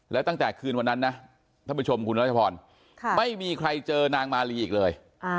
แล้วตั้งแต่คืนวันนั้นนะท่านผู้ชมคุณรัชพรไม่มีใครเจอนางมาลีอีกเลย